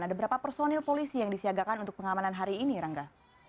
ada berapa personil polisi yang disiagakan untuk pengamanan hari ini rangga